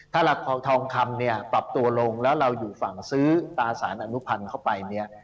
ถ้าเราทองคำเนี่ยปรับตัวลงแล้วเราอยู่ฝั่งซื้อตราสารอนุพันธ์เข้าไปเนี่ย